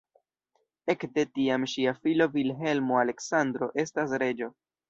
Ekde tiam ŝia filo Vilhelmo-Aleksandro estas reĝo.